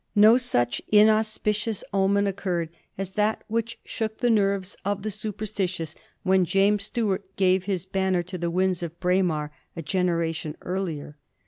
No such inauspicious omen occurred as that which shook the nerves of the superstitious when James Stuart gave his banner to the winds of Braemar a genera tion earlier.